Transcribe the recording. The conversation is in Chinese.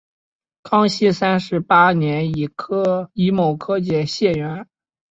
康熙三十八年己卯科解元。